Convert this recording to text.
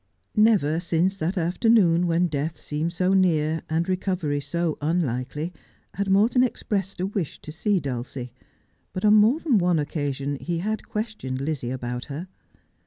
Never, since that afternoon when death seemed so near, and recovery so unlikely, had Morton expressed a wish to see Dulcie ; but on more than one occasion had he questioned Lizzie about her.